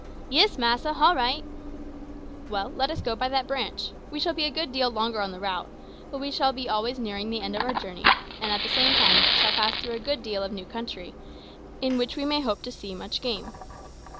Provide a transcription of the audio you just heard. "Yis, massa, hall right." "Well, let us go by that branch. We shall be a good deal longer on the route, but we shall be always nearing the end of our journey, and at the same time shall pass through a good deal of new country, in which we may hope to see much game."